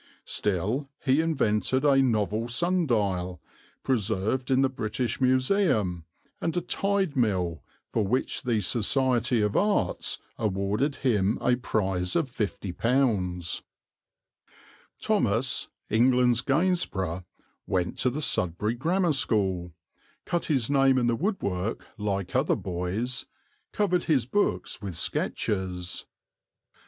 Still, he invented a novel sundial, preserved in the British Museum, and a tide mill for which the Society of Arts awarded him a prize of £50. Thomas, England's Gainsborough, went to the Sudbury Grammar School, cut his name in the woodwork like other boys, covered his books with sketches.